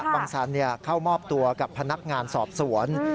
บังสันเข้ามอบตัวกับพนักงานสอบสวน